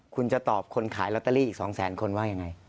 คุณจะตอบคนขายลอตเตอรี่อีก๒แสนคนว่ายังไง